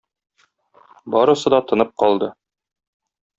Барысы да тынып калды.